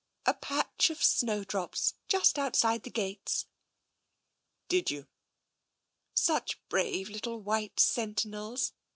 A patch of snowdrops, just outside the gates.'* Did you?" Such brave little white sentinels!